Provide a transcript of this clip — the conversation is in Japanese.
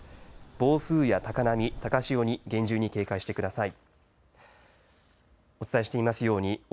暴風や高波、高潮に厳重に警戒してください。